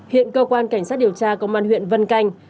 hiện cơ quan cảnh sát điều tra công an huyện vân canh